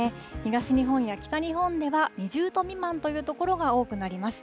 東日本や北日本では２０度未満という所が多くなります。